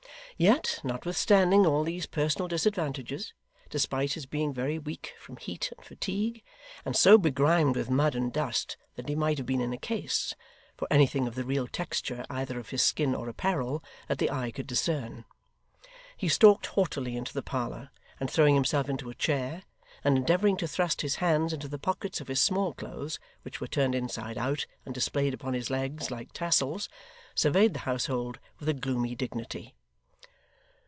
Yet notwithstanding all these personal disadvantages; despite his being very weak from heat and fatigue; and so begrimed with mud and dust that he might have been in a case, for anything of the real texture (either of his skin or apparel) that the eye could discern; he stalked haughtily into the parlour, and throwing himself into a chair, and endeavouring to thrust his hands into the pockets of his small clothes, which were turned inside out and displayed upon his legs, like tassels, surveyed the household with a gloomy dignity.